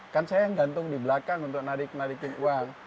kan saya yang gantung di belakang untuk narik narikin uang